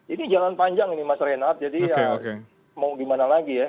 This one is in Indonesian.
ini jalan panjang nih mas renat jadi ya mau gimana lagi ya